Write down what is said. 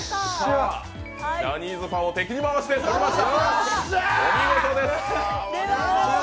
ジャニーズファンを敵に回して勝ちました。